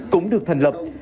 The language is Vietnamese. cũng được thành lập